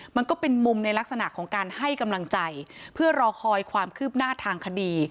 มันก็เป็นมุมในลักษณะของการให้กำลังใจเพื่อรอคอยความคืบหน้าทางคดี